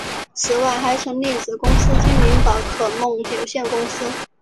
此外还成立子公司精灵宝可梦有限公司。